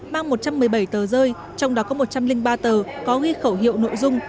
mang một trăm một mươi bảy tờ rơi trong đó có một trăm linh ba tờ có ghi khẩu hiệu nội dung